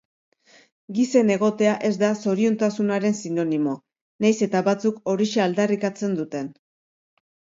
Gizen egotea ez da zoriontasunaren sinonimo, nahiz eta batzuk horixe aldarrikatzen duten.